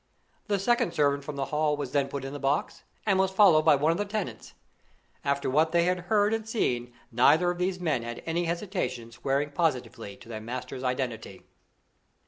The second servant from the Hall was then put in the box, and was followed by one of the tenants. After what they had heard and seen, neither of these men had any hesitation in swearing positively to their master's identity.